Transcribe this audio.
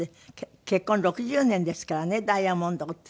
結婚６０年ですからねダイヤモンドって。